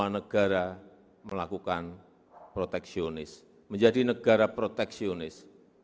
lima negara melakukan proteksionis menjadi negara proteksionis